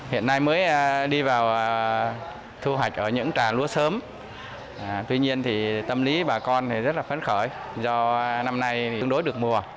hiện nay mới đi vào thu hoạch ở những trà lúa sớm tuy nhiên thì tâm lý bà con rất là phấn khởi do năm nay tương đối được mùa